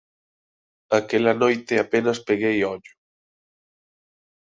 Aquela noite apenas peguei ollo.